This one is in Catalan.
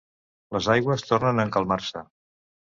Les aigües tornen a encalmar-se.